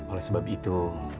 oleh sebab itu